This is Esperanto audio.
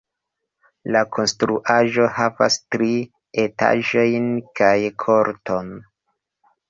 La konstruaĵo havas tri etaĝojn kaj korton.